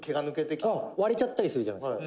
横尾：「割れちゃったりするじゃないですか」